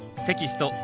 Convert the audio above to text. テキスト２